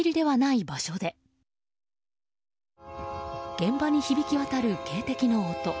現場に響き渡る警笛の音。